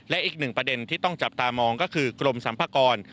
และอีกหนึ่งประเด็นที่ต้องจับตามองก็คือกรมสัมภากร